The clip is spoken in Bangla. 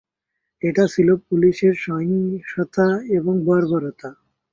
এটা ছিল পুলিশের সহিংসতা এবং বর্বরতা।